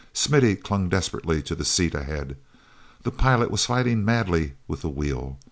Smithy clung desperately to the seat ahead. The pilot was fighting madly with the wheel.